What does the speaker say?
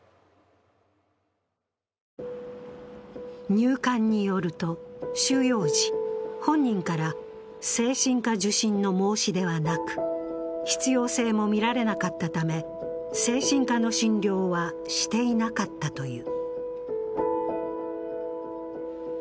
入管によると収容時、本人から精神科受診の申し出はなく、必要性も見られなかったため、精神科の診療はしていなかったという。